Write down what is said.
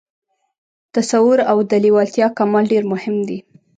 تصور او د لېوالتیا کمال ډېر مهم دي